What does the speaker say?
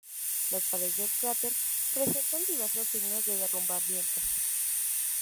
Las paredes del cráter presentan diversos signos de derrumbamiento.